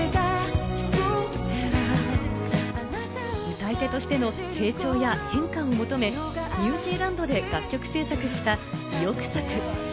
歌い手としての成長や変化を求め、ニュージーランドで楽曲制作した意欲作。